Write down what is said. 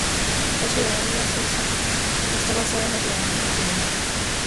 La ciudadanía suiza está basada en la ciudadanía comunal.